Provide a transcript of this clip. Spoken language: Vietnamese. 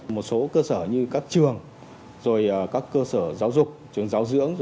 một số cơ sở như các trường rồi các cơ sở giáo dục trường giáo dưỡng